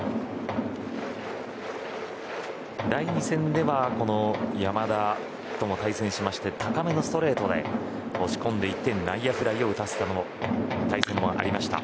第２戦では山田とも対戦して高めのストレートで押し込んでいって内野フライを打たせたという対戦もありました。